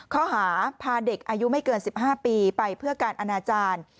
ข้อหาพาเด็กอายุไม่เกิน๑๕ปีไปเพื่อการอนาจารย์